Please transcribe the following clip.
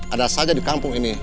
ada saja di kampung ini